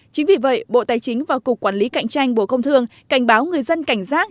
chính vì vậy bộ tài chính và cục quản lý cạnh tranh bộ công thương cảnh báo người dân cảnh giác